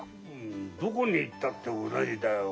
どこに行ったって同じだよ。